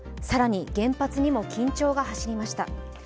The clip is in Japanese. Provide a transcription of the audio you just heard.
更に、原発にも緊張が走りました。